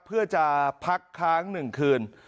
เพื่อจะพักค้าง๑คืน